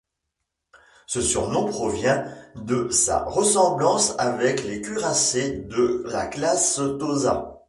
Ce surnom provient de sa ressemblance avec les cuirassés de la classe Tosa.